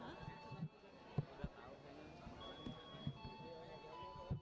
pak ada rencana silat